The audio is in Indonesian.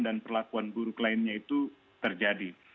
dan perlakuan buruk lainnya itu terjadi